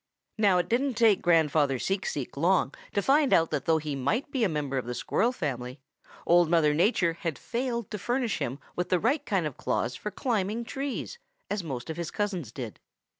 "Now it didn't take Grandfather Seek Seek long to find out that though he might be a member of the Squirrel family, Old Mother Nature had failed to furnish him with the right kind of claws for climbing trees, as most of his cousins did.